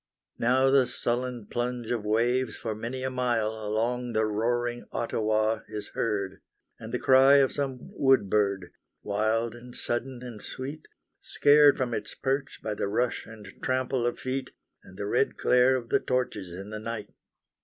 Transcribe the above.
Now the sullen plunge of waves for many a mile Along the roaring Ottawa is heard, And the cry of some wood bird, Wild and sudden and sweet, Scared from its perch by the rush and trample of feet, And the red glare of the torches in the night.